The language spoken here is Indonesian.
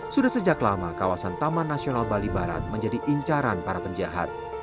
sudah sejak lama kawasan taman nasional bali barat menjadi incaran para penjahat